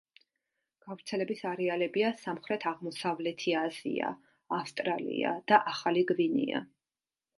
გავრცელების არეალებია სამხრეთ-აღმოსავლეთი აზია, ავსტრალია და ახალი გვინეა.